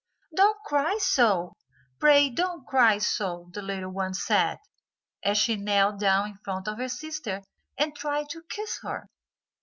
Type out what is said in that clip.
"Don't cry so, pray don't cry so," the little one said, as she knelt down in front of her sister, and tried to kiss her.